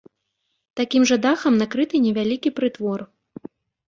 Такім жа дахам накрыты невялікі прытвор.